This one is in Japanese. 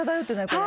これ。